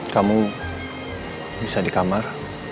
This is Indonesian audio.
kamu bisa di kamar